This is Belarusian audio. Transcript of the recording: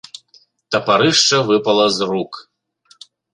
Тапарышча выпала з рук.